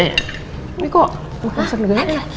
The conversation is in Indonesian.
ini kok makanya serangannya